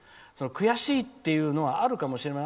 悔しいっていうのはあるかもしれない。